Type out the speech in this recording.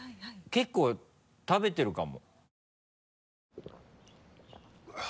結構食べてるかも。